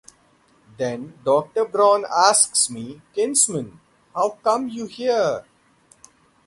Then Doctor Braun, asks me, Kinsman, how come you here?